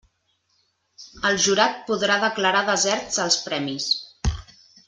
El jurat podrà declarar deserts els premis.